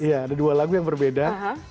iya ada dua lagu yang berbeda